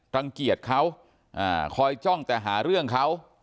รังเกียจเขาคอยจ้องแต่หาเรื่องเขา